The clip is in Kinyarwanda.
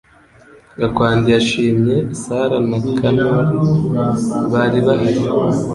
Gakwandi yashimye Sarah na Connor bari bahari